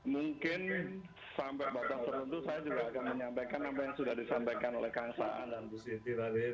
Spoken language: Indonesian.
mungkin sampai batas tertentu saya juga akan menyampaikan apa yang sudah disampaikan oleh kang saan dan bu siti tadi